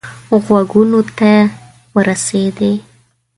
غوږونو ته ورسېدی.